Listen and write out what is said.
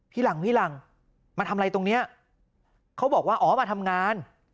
หลังพี่หลังมาทำอะไรตรงเนี้ยเขาบอกว่าอ๋อมาทำงาน